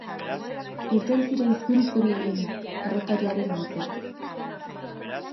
Irten ziren zuri-zuri eginda, errotariaren antzera.